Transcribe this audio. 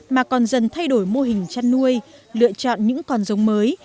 mà còn dần thay đổi mô hình chăn nuôi lựa chọn những con giống mới